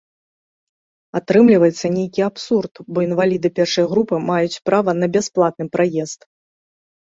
Атрымліваецца нейкі абсурд, бо інваліды першай групы маюць права на бясплатны праезд.